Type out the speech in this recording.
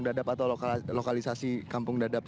dadap atau lokalisasi kampung dadap